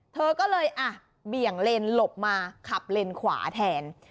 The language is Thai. เธอก็เลยอ่ะเบี่ยงเลนหลบมาขับเลนขวาแทน